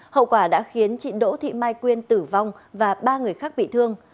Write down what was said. hậu quả đã khiến chị đỗ thị mai quyên tử vong và ba người khác bị thương